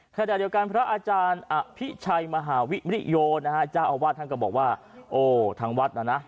ขณะเดียวกันพระอาจารย์อภิชัยมหาวิมริโยนะฮะเจ้าอาวาสท่านก็บอกว่าโอ้ทางวัดน่ะนะ